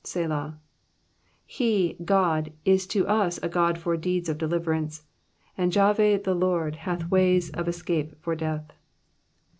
(Se/a.) 21 He, God, is to us a God for deeds of deliverance, And Jahve the Lord hath ways of escape for death.